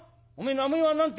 名前は何て